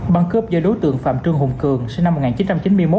băng cướp do đối tượng phạm trương hùng cường sinh năm một nghìn chín trăm chín mươi một